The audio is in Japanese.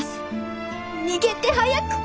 逃げて早く！